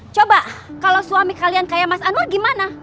coba kalau suami kalian kayak mas anur gimana